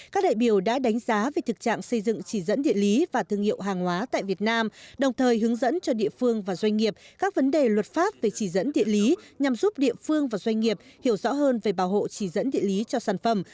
các đại biểu đã đánh giá về thực trạng xây dựng chỉ dẫn địa lý và thương hiệu hàng hóa tại việt nam đồng thời hướng dẫn cho địa phương và doanh nghiệp các vấn đề luật pháp về chỉ dẫn địa lý nhằm giúp địa phương và doanh nghiệp hiểu rõ hơn về bảo hộ chỉ dẫn địa lý cho sản phẩm